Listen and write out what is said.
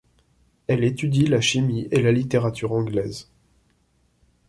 Elle étudie la chimie et la littérature anglaise.